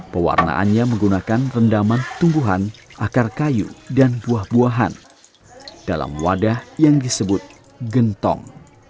pewarnaannya menggunakan rendaman tumbuhan akar kayu dan buah buahan dalam wadah yang disebut gentong